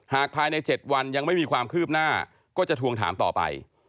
ภายใน๗วันยังไม่มีความคืบหน้าก็จะทวงถามต่อไป